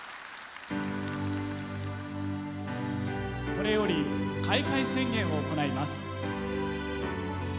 これより開会宣言を行います。